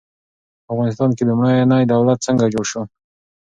په افغانستان کې لومړنی دولت څنګه جوړ سو؟